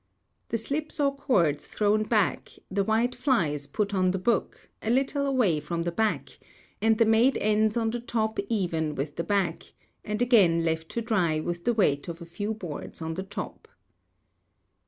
The slips or cords thrown back, the white fly is put on the book, a little away from the back, and the made ends on the top even with the back, and again left to dry with the weight of a few boards on the top.